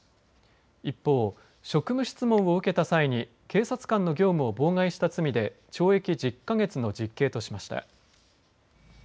一方、職務質問を受けた際に警察官の業務を妨害した罪で懲役１０か月の実刑としました。